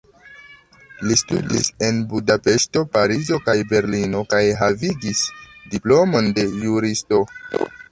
Li studis en Budapeŝto, Parizo kaj Berlino kaj havigis diplomon de juristo.